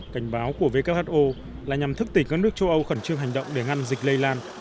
cảnh báo của who là nhằm thức tỉnh các nước châu âu khẩn trương hành động để ngăn dịch lây lan